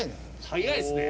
速いですね。